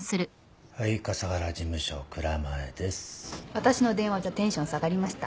私の電話じゃテンション下がりました？